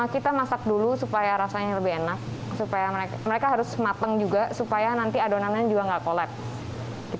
kita masak dulu supaya rasanya lebih enak supaya mereka harus matang juga supaya nanti adonannya juga nggak collapse